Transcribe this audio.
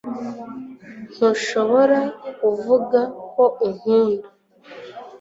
ntushobora kuvuga ko unkunda